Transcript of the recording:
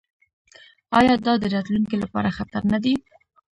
آیا دا د راتلونکي لپاره خطر نه دی؟